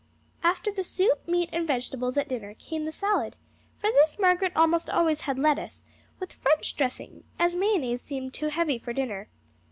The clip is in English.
After the soup, meat, and vegetables at dinner came the salad; for this Margaret almost always had lettuce, with French dressing, as mayonnaise seemed too heavy for dinner.